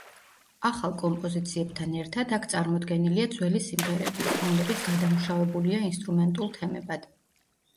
ახალ კომპოზიციებთან ერთად, აქ წარმოდგენილია ძველი სიმღერებიც, რომლებიც გადამუშავებულია ინსტრუმენტულ თემებად.